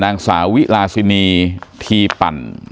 นางสาวิลาซินีทีปั่น